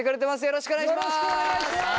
よろしくお願いします。